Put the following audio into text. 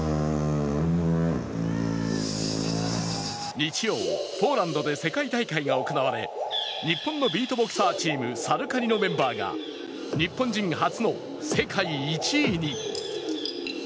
日曜、ポーランドで世界大会が行われ日本のビートボクサーチームＳＡＲＵＫＡＮＩのメンバーが日本人初の世界１位に。